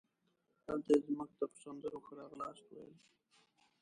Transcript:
هلته یې مونږ ته په سندرو ښه راغلاست وویل.